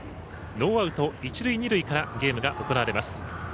ノーアウト、一塁二塁からゲームが行われます。